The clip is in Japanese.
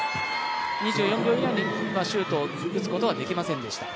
２４秒以内にシュートを打つことはできませんでした。